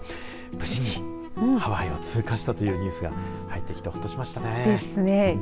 無事にハワイを通過したというニュースが入ってきてほっとしましたね。